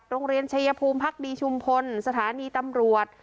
โรงเรียนชายภูมิพักดีชุมพลสถานีตำรวจ